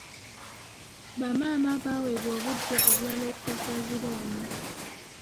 Bamaama baweebwa obudde obulala okusasula zi looni.